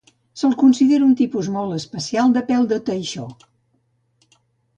Se'l considera un tipus molt especial de pèl de teixó.